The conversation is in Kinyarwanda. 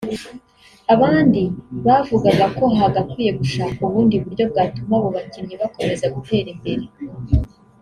abandi bavugaga ko hagakwiye gushakwa ubundi buryo bwatuma abo bakinnyi bakomeza gutera imbere